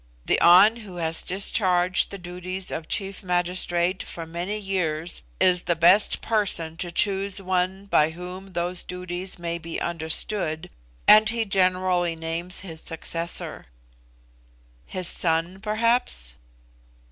"The An who has discharged the duties of chief magistrate for many years is the best person to choose one by whom those duties may be understood, and he generally names his successor." "His son, perhaps?"